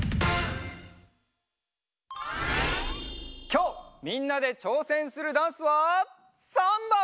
きょうみんなでちょうせんするダンスはサンバ！